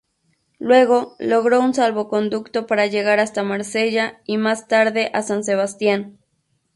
Luego, logró un salvoconducto para llegar hasta Marsella y, más tarde, a San Sebastián.